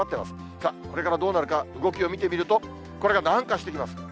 さあ、これからどうなるか、動きを見てみると、これが南下してきます。